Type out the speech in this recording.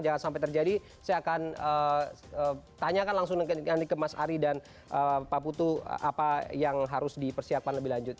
jangan sampai terjadi saya akan tanyakan langsung nanti ke mas ari dan pak putu apa yang harus dipersiapkan lebih lanjut